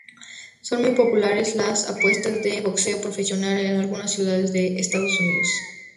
Son muy populares las apuestas de boxeo profesional en algunas ciudades de Estados Unidos.